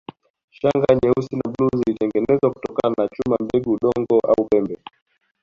Shanga nyeusi na bluu zilitengenezwa kutokana na chuma mbegu udongo au pembe